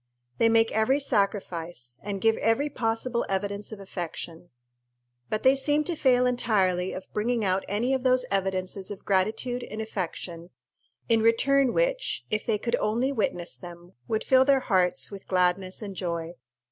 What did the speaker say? They make every sacrifice, and give every possible evidence of affection; but they seem to fail entirely of bringing out any of those evidences of gratitude and affection in return which, if they could only witness them, would fill their hearts with gladness and joy.